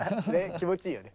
気持ちいいよね。